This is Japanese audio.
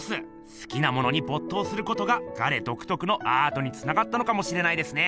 すきなものにぼっ頭することがガレどくとくのアートにつながったのかもしれないですね！